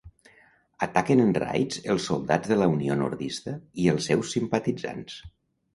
Ataquen en raids els soldats de la Unió nordista i els seus simpatitzants.